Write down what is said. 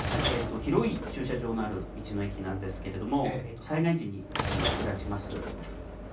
広い駐車場のある道の駅なんですけれども、災害時に役立ちます。